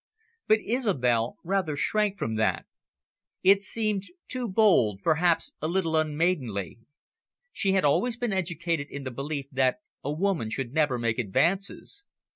But Isobel rather shrank from that. It seemed too bold, perhaps a little unmaidenly. She had always been educated in the belief that a woman should never make advances.